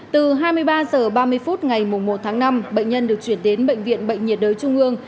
từ hai mươi ba h ba mươi phút ngày một tháng năm bệnh nhân được chuyển đến bệnh viện bệnh nhiệt đới trung ương